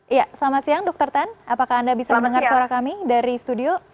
iya selamat siang dr tan apakah anda bisa mendengar suara kami dari studio